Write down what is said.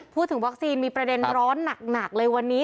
พูดถึงวัคซีนมีประเด็นร้อนหนักเลยวันนี้